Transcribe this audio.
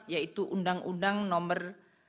yaitu undang undang nomor